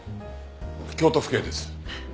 京都府警です。